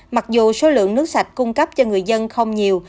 mặc dù số lượng nước sạch cung cấp cho người dân không nhiều